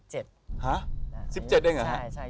หา๑๗เองหรอ